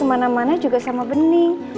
terus kemana mana juga sama bening